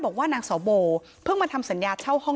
บอกว่านางสาวโบเพิ่งมาทำสัญญาเช่าห้อง